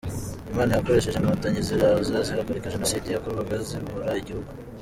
Imana yakoresheje inkotanyi ziraza zihagarika Jenoside yakorwaga zibohora igihugu.